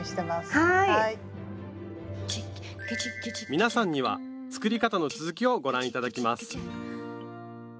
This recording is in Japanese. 皆さんには作り方の続きをご覧頂きます